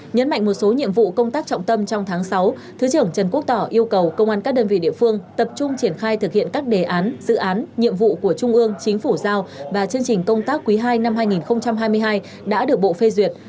nhấn mạnh một số nhiệm vụ công tác trọng tâm trong tháng sáu thứ trưởng trần quốc tỏ yêu cầu công an các đơn vị địa phương tập trung triển khai thực hiện các đề án dự án nhiệm vụ của trung ương chính phủ giao và chương trình công tác quý ii năm hai nghìn hai mươi hai đã được bộ phê duyệt